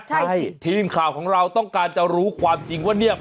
ใช่ทีมข่าวของเราต้องการจะรู้ความจริงว่าเนี่ย